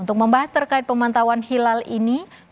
untuk membahas terkait pemantauan rukyatul hilal